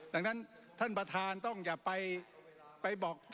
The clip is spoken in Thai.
ดังนั้นท่านประธานต้องอย่าไปบอก